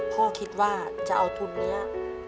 พ่อคิดว่าจะเอาทุนนี้ไปทำอะไร